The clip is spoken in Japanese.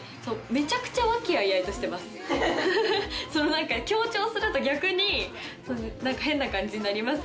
何か強調すると逆に変な感じになりますけど。